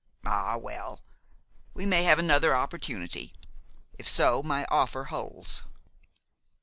"Ah, well, we may have another opportunity. If so, my offer holds."